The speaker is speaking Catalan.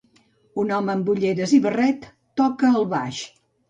Un home amb ulleres i barret toca el baix.